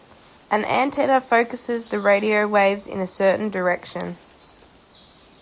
An antenna focuses the radio waves in a certain direction.